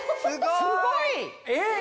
すごい！え！